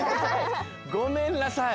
ごめんなさい。